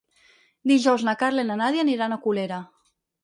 Dijous na Carla i na Nàdia aniran a Colera.